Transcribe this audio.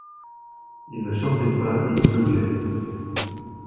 Il ne chantait pas, il beuglait.